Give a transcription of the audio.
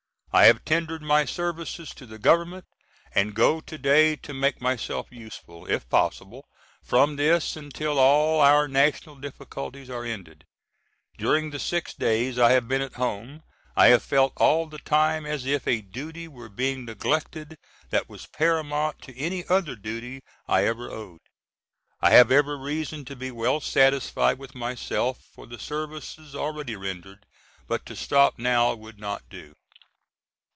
I have tendered my services to the Government and go to day to make myself useful, if possible, from this until all our National difficulties are ended. During the six days I have been at home I have felt all the time as if a duty were being neglected that was paramount to any other duty I ever owed. I have every reason to be well satisfied with myself for the services already rendered, but to stop now would not do.